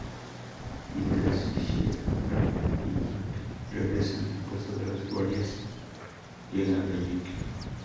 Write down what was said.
Mientras Geary y Mack regresan al puesto de los guardias, llega Bellick.